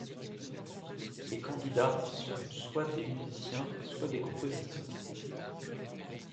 Les candidats sont soit des musiciens, soit des compositeurs.